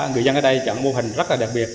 người dân ở đây chọn mô hình rất là đặc biệt